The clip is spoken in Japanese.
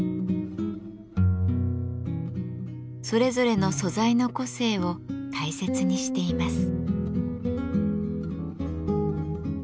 それぞれの素材の個性を大切にしています。